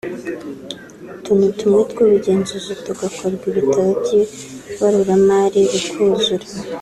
utuntu tumwe tw’ubugenzuzi tugakorwa ibitabo by’ibaruramari bikuzura